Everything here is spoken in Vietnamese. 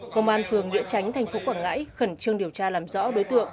công an phường nghĩa tránh thành phố quảng ngãi khẩn trương điều tra làm rõ đối tượng